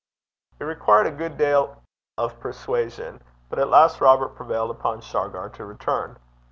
It required a good deal of persuasion, but at last Robert prevailed upon Shargar to return.